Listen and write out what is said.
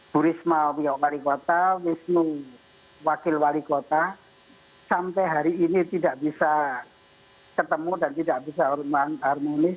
bu risma pihak wali kota wisnu wakil wali kota sampai hari ini tidak bisa ketemu dan tidak bisa harmonis